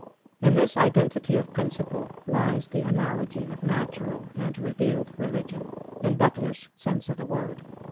In this identity of principle lies the Analogy of Natural and Revealed Religion, in Butler's sense of the word.